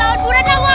wah kita dapet alungka